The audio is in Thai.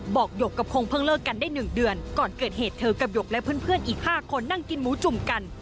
หยกกับคงเพิ่งเลิกกันได้๑เดือนก่อนเกิดเหตุเธอกับหยกและเพื่อนอีก๕คนนั่งกินหมูจุ่มกัน